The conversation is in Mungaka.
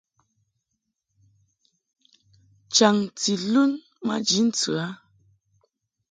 Chaŋti lun maji ntɨ a.